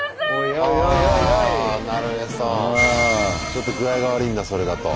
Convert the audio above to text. ちょっと具合が悪いんだそれだと。